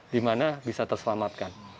di mana bisa terselamatkan